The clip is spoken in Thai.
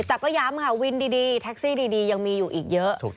แต่ก็ย้ำค่ะวินดีแท็กซี่ดียังมีอยู่อีกเยอะ